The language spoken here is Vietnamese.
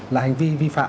là hành vi vi pháp